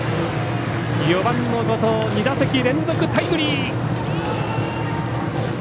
４番の後藤２打席連続タイムリー。